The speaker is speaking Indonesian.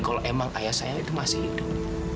kalau emang ayah saya itu masih hidup